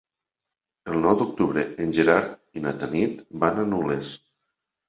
El nou d'octubre en Gerard i na Tanit van a Nules.